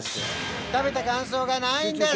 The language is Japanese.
食べた感想がないんです